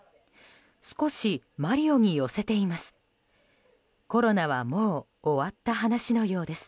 少しマリオに寄せています。